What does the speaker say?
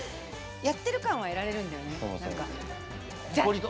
やってる感は得られるんだよね。